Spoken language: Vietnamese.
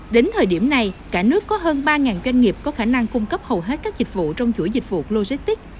đến thời điểm này cả nước có hơn ba doanh nghiệp có khả năng cung cấp hầu hết các dịch vụ trong chuỗi dịch vụ logistics